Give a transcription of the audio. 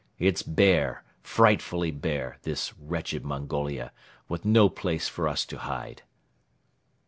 It's bare, frightfully bare, this wretched Mongolia, with no place for us to hide."